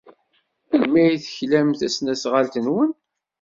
Melmi ay teklam tasnasɣalt-nwen?